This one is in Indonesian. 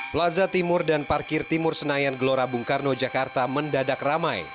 plaza timur dan parkir timur senayan gelora bung karno jakarta mendadak ramai